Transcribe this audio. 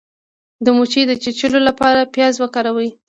د مچۍ د چیچلو لپاره پیاز وکاروئ